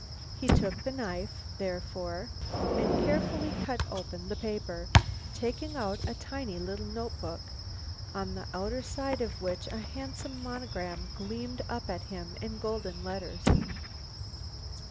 He took the knife, therefore, and carefully cut open the paper, taking out a tiny little notebook, on the outer side of which a handsome monogram gleamed up at him in golden letters.